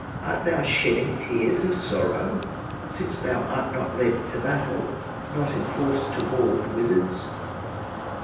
Art thou shedding tears of sorrow, Since thou art not led to battle, Not enforced to war with wizards?"